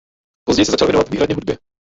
Později se začal věnovat výhradně hudbě.